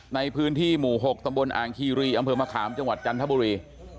ในพื้นที่หมู่๖ตำบลอ่างคีรีอำเภอมะขามจังหวัดจันทบุรี